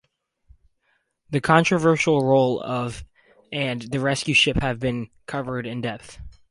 The controversial role of and the rescue ship have been covered in depth.